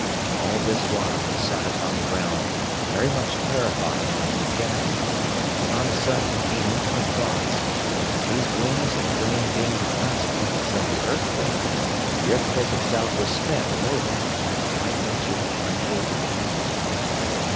All this while I sat upon the ground very much terrified and dejected; when on a sudden it came into my thoughts, that these winds and rain being the consequences of the earthquake, the earthquake itself was spent and over, and I might venture into my cave again.